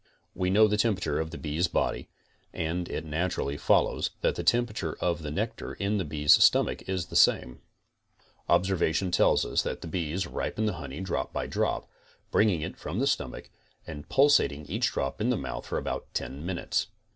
We know the temperature of the bee's body, *Wells' Natural Philosophy. ° CONSTRUCTIVE BEEKEEPING 23 and it naturally follows that the temperature of the nectar in the bee's stomach is the same. Observation tells us that the bees ripen the honey drop by drop, bringing it from the storuach and pulsating each drop in the mouth for about ten minutes.